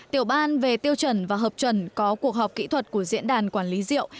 tiểu ban về tiêu chuẩn và hợp chuẩn có cuộc họp kỹ thuật của diễn đàn quản lý rượu